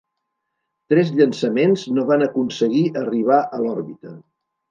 Tres llançaments no van aconseguir arribar a l'òrbita.